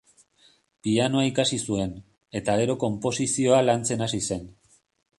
Pianoa ikasi zuen, eta gero konposizioa lantzen hasi zen.